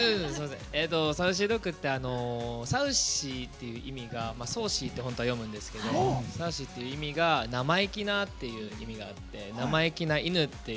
ＳａｕｃｙＤｏｇってサウシーっていう意味がソーシーって本当は読むんですけどサウシーっていう意味が生意気なっていう意味があって生意気な犬っていう。